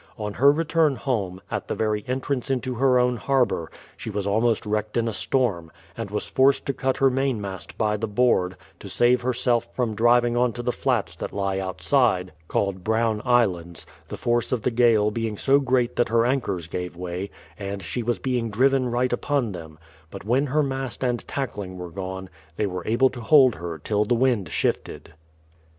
On her return home, at the very entrance into her own har bour, she was almost wrecked in a storm, and was forced to cut her main mast by the board, to save herself from driving onto the flats that lie outside, called Brown Islands, the force of the gale being so great that her anchors gave way, and she was being driven right upon them ; but when her mast and tackling were gone, they weie able to hold her till the wind shifted.